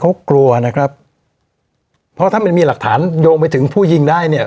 เขากลัวนะครับเพราะถ้ามันมีหลักฐานโยงไปถึงผู้ยิงได้เนี่ย